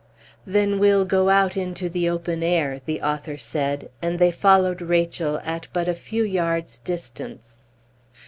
"Then we'll go out into the open air," the author said; and they followed Rachel at but a few yards' distance.